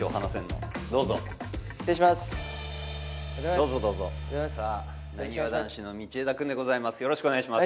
どうぞどうぞなにわ男子の道枝君でございます